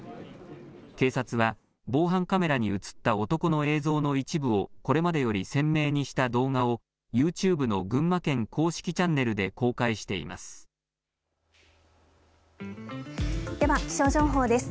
警察は、防犯カメラに映った男の映像の一部をこれまでより鮮明にした動画をユーチューブの群馬県公式チャンネルででは、気象情報です。